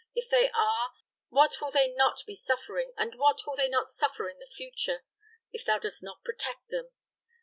If they are, what will they not be suffering, and what will they not suffer in the future, if thou dost not protect them?